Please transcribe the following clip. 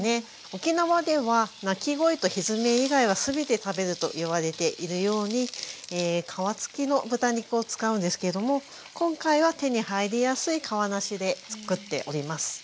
沖縄ではと言われているように皮付きの豚肉を使うんですけれども今回は手に入りやすい皮なしで作っております。